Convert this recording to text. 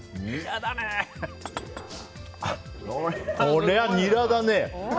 こりゃニラだね。